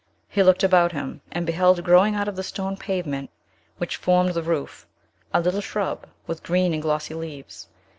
He looked about him, and beheld growing out of the stone pavement, which formed the roof, a little shrub, with green and glossy leaves.